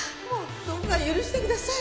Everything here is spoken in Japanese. どうか許してください。